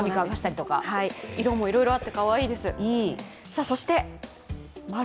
色もいろいろあって、かわいいです。